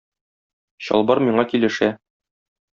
Чалбар миңа килешә.